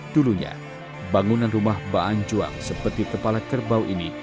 dulunya bangunan rumah baan juang seperti kepala kerbau ini